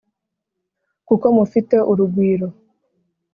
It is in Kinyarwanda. kuko mufite urugwiro